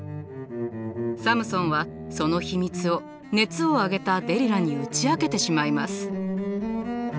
サムソンはその秘密を熱を上げたデリラに打ち明けてしまいます。